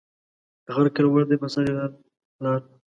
غر که لوړ دی پر سر یې لار ده